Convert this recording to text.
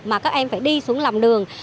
mà các em phải đi xuống lòng đường